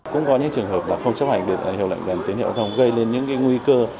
cũng có những trường hợp là không chấp hành hiệu lệnh bản tiến hiệu gây lên những nguy cơ